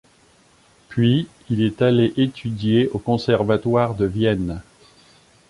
Puis il est allé étudier au Conservatoire de Vienne.